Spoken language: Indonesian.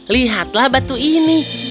lihatlah batu ini